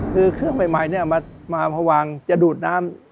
คือเครื่องใหม่มาวางจะดูดน้ำ